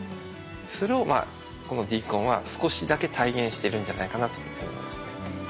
それをこのＤＣＯＮは少しだけ体現してるんじゃないかなというふうに思いますね。